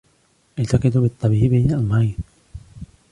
التقيت بالطبيب المريض